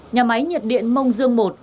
nhà máy nhiệt điện mông dương i